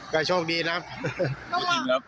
ก็โชคดีนะครับ